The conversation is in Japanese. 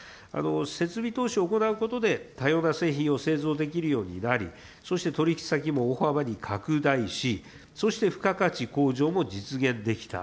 設備投資を行うことで多様な製品を製造できるようになり、そして取り引き先も大幅に拡大し、そして付加価値向上も実現できた。